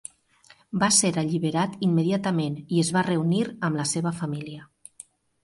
Va ser alliberat immediatament i es va reunir amb la seva família.